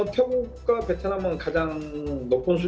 mereka adalah tim yang paling berhasil